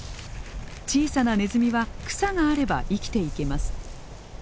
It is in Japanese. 小さなネズミは草があれば生きていけます。